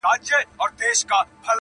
له هغې ویري مي خوب له سترګو تللی!